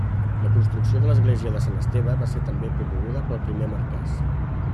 La construcció de l'església de Sant Esteve va ser també promoguda pel primer marquès.